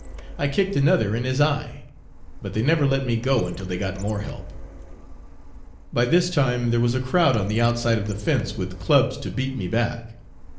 I kicked another in his eye; but they never let me go until they got more help. By this time, there was a crowd on the out side of the fence with clubs to beat me back.